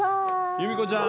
由美子ちゃん。